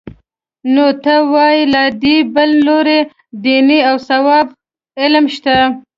نو ته وا له دې بل لوړ دیني او د ثواب علم شته؟